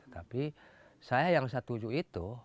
tapi saya yang setuju itu